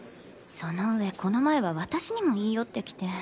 そのうえこの前は私にも言い寄ってきて。